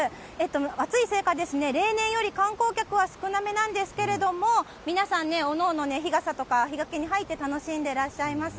暑いせいか、例年より観光客は少なめなんですけれども、皆さんね、おのおの日傘とか、日よけに入って楽しんでいらっしゃいます。